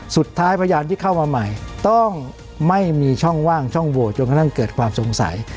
พยานที่เข้ามาใหม่ต้องไม่มีช่องว่างช่องโหวตจนกระทั่งเกิดความสงสัย